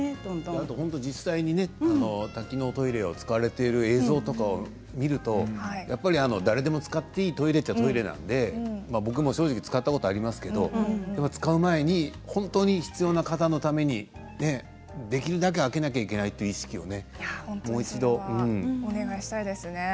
実際に多機能トイレを使われている映像とかを見るとやっぱり誰でも使っていいトイレといえばトイレなので僕も正直使ったことありますけど使う前に本当に必要な方のためにできるだけ空けなきゃいけないという意識を、もう一度。お願いしたいですね。